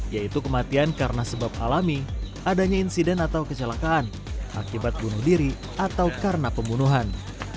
yaitu kematian karena sebab alami adanya insiden atau kecelakaan akibat bunuh diri atau karena pembunuhan